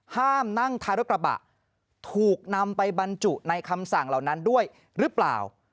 ห้ามนั่งท้ายรถกระบะถูกนำไปบรรจุในคำสั่งเหล่านั้นด้วยหรือเปล่า